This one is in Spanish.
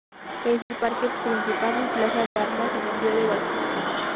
Es el parque principal y plaza de armas de la ciudad de Huatusco.